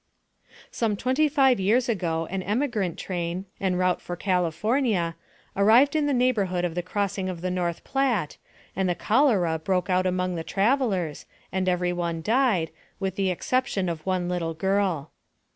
Some twenty five years ago an emigrant train, en route for California, arrived in the neighborhood of the crossing of the North Platte, and the cholera broke out among the travelers, and every one died, with the exception of one little girl.